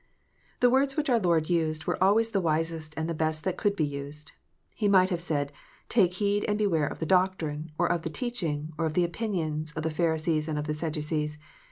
The words which our Lord used were always the wisest and the best that could be used. He might have said, " Take heed and beware of the doctrine, or of the teaching, or of the opinions, of the Pharisees and of the Sadducees."